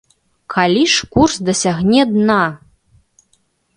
Калі ж курс дасягне дна?